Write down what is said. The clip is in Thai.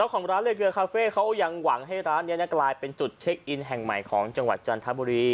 ของร้านเลเกอร์คาเฟ่เขายังหวังให้ร้านนี้กลายเป็นจุดเช็คอินแห่งใหม่ของจังหวัดจันทบุรี